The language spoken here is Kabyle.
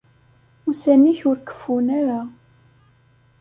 Ussan-ik ur keffun ara.